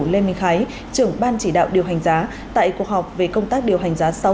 lê minh khái trưởng ban chỉ đạo điều hành giá tại cuộc họp về công tác điều hành giá sáu